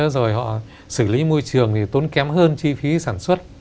rồi họ xử lý môi trường thì tốn kém hơn chi phí sản xuất